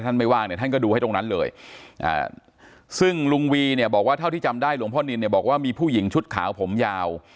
ไม่ว่างเนี่ยท่านก็ดูให้ตรงนั้นเลยซึ่งลุงวีเนี่ยบอกว่าเท่าที่จำได้หลวงพ่อนินเนี่ยบอกว่ามีผู้หญิงชุดขาวผมยาว